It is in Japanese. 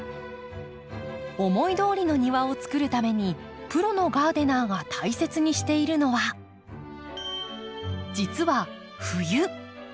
思いどおりの庭をつくるためにプロのガーデナーが大切にしているのは実は冬。